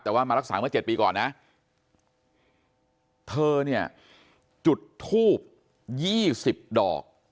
แต่ว่ามารักษาเมื่อ๗ปีก่อนนะเธอเนี่ยจุดทูบ๒๐ดอก